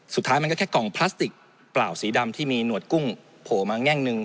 สุดท้ายมันก็แค่กล่องพลาสติกเปล่าสีดำที่มีหนวดกุ้งโผล่มาแง่งหนึ่ง